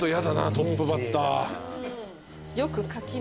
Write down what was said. トップバッター。